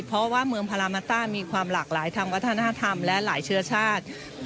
เพราะว่าเมืองพารามาต้ามีความหลากหลายทางวัฒนธรรมและหลายเชื้อชาติ